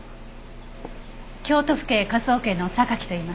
京都府警科捜研の榊といいます。